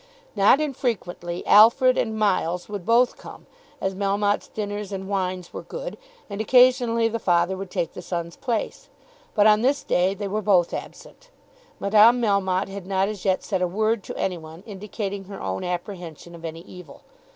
Not unfrequently "Alfred" and Miles would both come, as Melmotte's dinners and wines were good, and occasionally the father would take the son's place, but on this day they were both absent. Madame Melmotte had not as yet said a word to any one indicating her own apprehension of any evil.